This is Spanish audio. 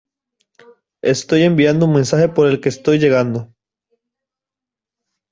Estoy enviando un mensaje por el que estoy llegando".